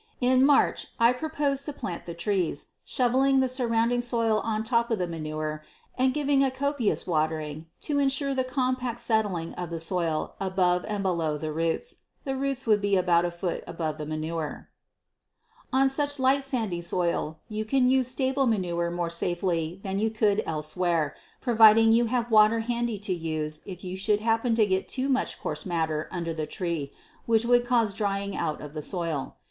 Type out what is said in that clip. In March I propose to plant the trees, shoveling the surrounding soil on top of the manure and giving a copious watering to ensure the compact settling of the soil about and below the roots. The roots would be about a foot above the manure. On such a light sandy soil you can use stable manure more safely than you could elsewhere, providing you have water handy to use if you should happen to get too much coarse matter under the tree, which would cause drying out of the soil.